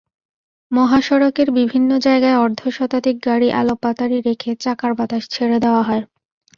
মহাসড়কের বিভিন্ন জায়গায় অর্ধশতাধিক গাড়ি এলোপাতাড়ি রেখে চাকার বাতাস ছেড়ে দেওয়া হয়।